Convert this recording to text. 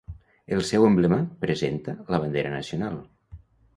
El seu emblema presenta la bandera nacional.